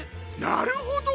なるほど。